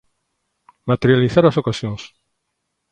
Materializar as ocasións.